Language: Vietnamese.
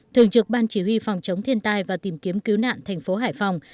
thường trực ban chỉ huy phòng chống thiên tai và tìm kiếm cứu nạn thành phố hải phòng